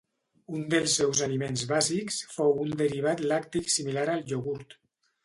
Un dels seus aliments bàsics fou un derivat lacti similar al iogurt.